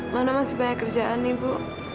mana masih banyak kerjaan nih bu